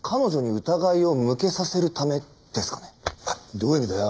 どういう意味だよ？